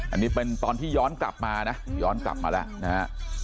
อันนี้เป็นตอนที่ย้อนกลับมานะย้อนกลับมาแล้วนะฮะ